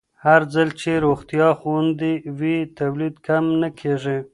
هرځل چې روغتیا خوندي وي، تولید کم نه کېږي.